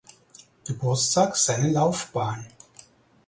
Geburtstag seine Laufbahn.